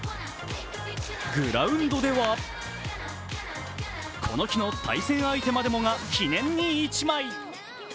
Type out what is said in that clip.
グラウンドでは、この日の対戦相手までもが記念に１枚。